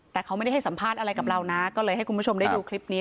แต่เขาไม่ได้ให้สัมภาษณ์อะไรกับเรานะก็เลยให้คุณผู้ชมได้ดูคลิปนี้